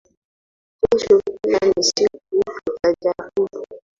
Kesho pia ni siku tutajaribu